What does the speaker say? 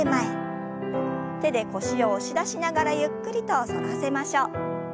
手で腰を押し出しながらゆっくりと反らせましょう。